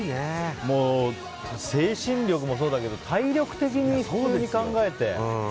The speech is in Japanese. もう、精神力もそうだけど体力的に普通に考えて。